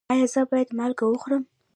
ایا زه باید مالګه وخورم؟